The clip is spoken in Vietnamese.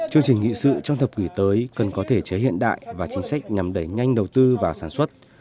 chương trình nghị sự trong thập kỷ tới cần có thể chế hiện đại và chính sách nhằm đẩy nhanh đầu tư vào sản xuất